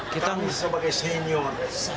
kita sebagai senior